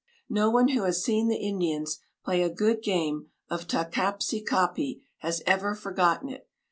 No one who has seen the Indians play a good game of Ta kap si ka pi has ever forgotten it.